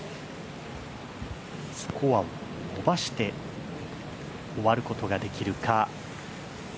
スコアを伸ばして終わることができるか。